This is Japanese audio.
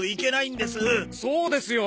そうですよ！